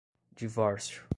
divórcio